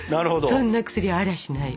「そんな薬はありゃしない」。